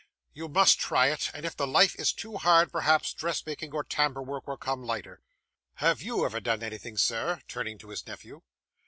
'You must try it, and if the life is too hard, perhaps dressmaking or tambour work will come lighter. Have YOU ever done anything, sir?' (turning to his nephew.)